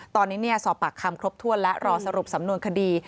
ตอนนี้สอบปากคำครบถ้วนและรอสรุปสำนวนคดี